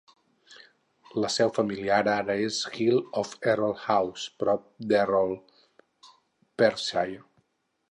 La seu familiar ara és Hill of Errol House prop d'Errol, Perthshire.